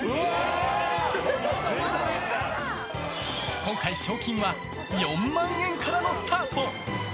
今回、賞金は４万円からのスタート。